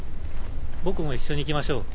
僕も一緒に行きましょう。